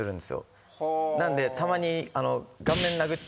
なんでたまに。